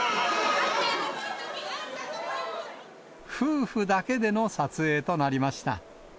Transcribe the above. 夫婦だけでの撮影となりました。